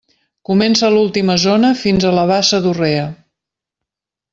Comença l'última zona fins a la bassa d'Urrea.